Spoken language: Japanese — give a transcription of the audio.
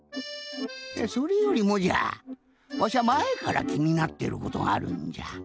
それよりもじゃわしゃまえからきになってることがあるんじゃ。